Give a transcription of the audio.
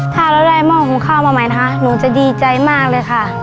ถ้าเราได้หม้อหุงข้าวมาใหม่นะคะหนูจะดีใจมากเลยค่ะ